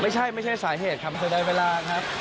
ไม่ใช่ไม่ใช่สาเหตุค่ะไม่ใช่ได้เวลาครับ